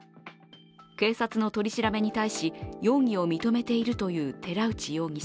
警察の取り調べに対し容疑を認めているという寺内容疑者。